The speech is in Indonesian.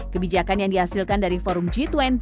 kebijakan yang dihasilkan dari forum g dua puluh